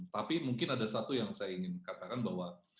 tapi mungkin ada satu yang saya ingin katakan bahwa